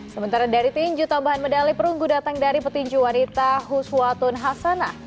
sementara dari tinju tambahan medali perunggu datang dari petinju wanita huswatun hasana